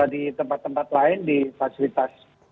di tempat tempat lain di fasilitas